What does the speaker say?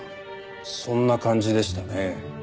そんな感じでしたね。